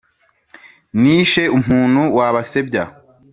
nishe umuntu wa basebya